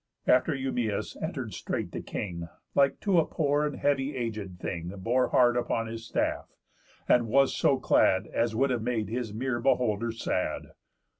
After Eumæus, enter'd straight the king, Like to a poor and heavy aged thing, Bore hard upon his staff, and was so clad As would have made his mere beholder sad.